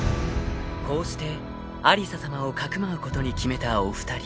［こうして有沙さまをかくまうことに決めたお二人］